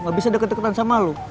gak bisa ada ketekutan sama lo